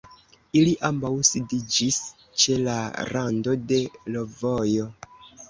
Ili ambaŭ sidiĝis ĉe la rando de l'vojo.